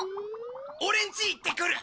オレんち行ってくる。